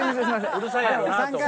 うるさいやろなと思って。